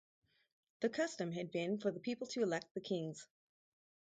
The custom had been for the people to elect the kings.